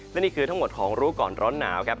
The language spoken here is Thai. และนี่คือทั้งหมดของรู้ก่อนร้อนหนาวครับ